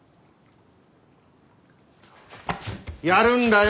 やるんだよ